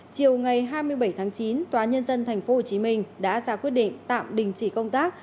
chiều ngày hai mươi bảy tháng chín tòa nhân dân tp hcm đã ra quyết định tạm đình chỉ công tác